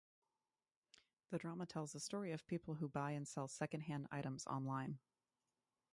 The drama tells the story of people who buy and sell secondhand items online.